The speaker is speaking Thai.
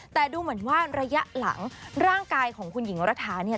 แต่ดูเหมือนว่าระยะหลังร่างกายของคุณหญิงรัฐาเนี่ย